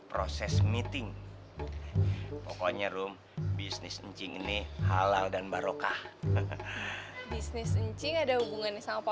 proses meeting pokoknya room bisnis ncing nih halal dan barokah bisnis ncing ada hubungannya sama